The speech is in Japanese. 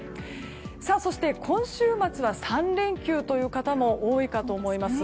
そして今週末は３連休という方も多いかと思います。